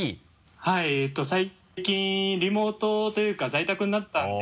はい最近リモートというか在宅になったんで。